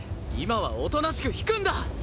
今はおとなしく引くんだ！